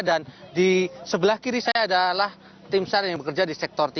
dan di sebelah kiri saya adalah tim sar yang bekerja di sektor tiga